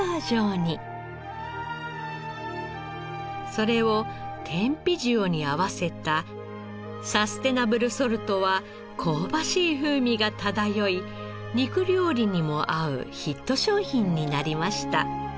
それを天日塩に合わせたサステナブルソルトは香ばしい風味が漂い肉料理にも合うヒット商品になりました。